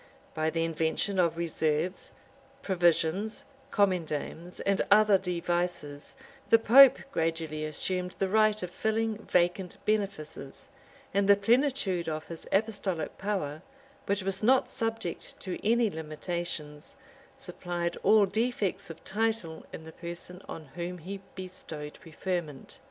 By the invention of reserves, provisions, commendams, and other devices, the pope gradually assumed the right of filling vacant benefices; and the plenitude of his apostolic power, which was not subject to any limitations, supplied all defects of title in the person on whom he bestowed preferment.